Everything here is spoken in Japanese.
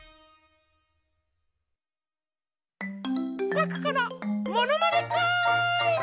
パクコのものまねクーイズ！